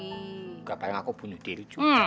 enggak payah aku bunuh diri cuma